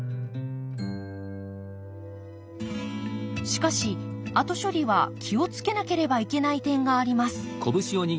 しかし後処理は気を付けなければいけない点があります。